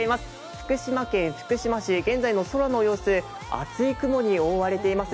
福島県福島市、現在の空の様子、厚い雲に覆われています。